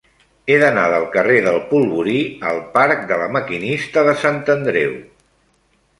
He d'anar del carrer del Polvorí al parc de La Maquinista de Sant Andreu.